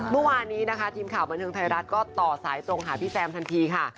เมื่อวานนี้นะคะทีมข่าวบันเทิงไทยรัฐก็ต่อสายตรงหาพี่แซมทันทีค่ะ